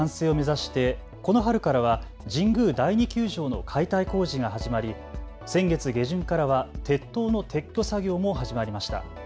１３年後の完成を目指してこの春からは神宮第二球場の解体工事が始まり先月下旬からは鉄塔の撤去作業も始まりました。